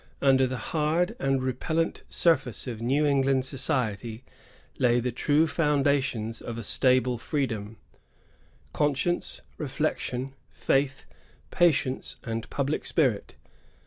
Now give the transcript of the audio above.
Under the hard and repellent surface of New England society lay the true foundations of a stable freedom, — conscience, reflection, faith, patience, and public spirit.